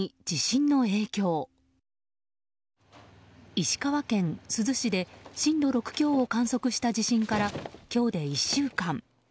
石川県珠洲市で震度６強を観測した地震から今日で１週間。